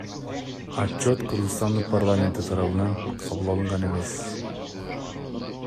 Отчет Кыргызстандын парламенти тарабынан кабыл алынган эмес.